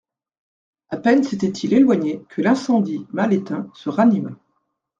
A peine s'était-il éloigné, que l'incendie mal éteint, se ranima.